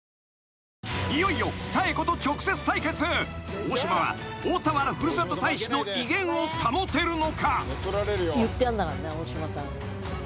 大島は大田原ふるさと大使の威厳を保てるのか？］